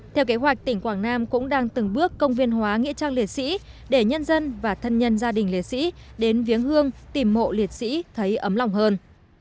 theo kế hoạch tỉnh quảng nam cũng đang từng bước công viên hóa nghĩa trang liệt sĩ để nhân dân và thân nhân gia đình liệt sĩ đến viếng hương tìm mộ liệt sĩ thấy ấm lòng hơn